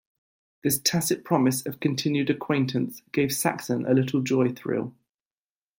This tacit promise of continued acquaintance gave Saxon a little joy-thrill.